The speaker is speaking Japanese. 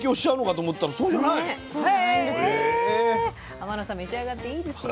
天野さん召し上がっていいですよ。